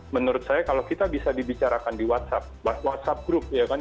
menurut saya kalau kita bisa dibicarakan di whatsapp whatsapp group ya kan